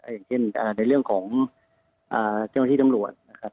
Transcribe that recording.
อย่างเช่นในเรื่องของเจ้าหน้าที่ตำรวจนะครับ